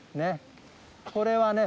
これはね